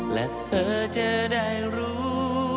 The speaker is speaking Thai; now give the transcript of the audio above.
และเธอจะได้รู้